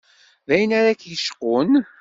D ayen ara k-yecqun?